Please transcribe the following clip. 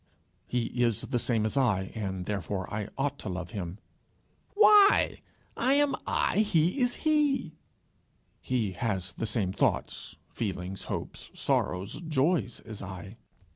"He is the same as I, and therefore I ought to love him." "Why? I am I. He is he." "He has the same thoughts, feelings, hopes, sorrows, joys, as I."